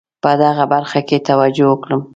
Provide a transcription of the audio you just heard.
په دغه برخه کې توجه وکړم.